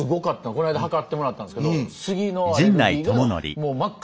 こないだ測ってもらったんですけど。